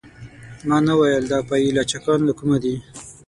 ما نه ویل دا پايي لچکان له کومه دي.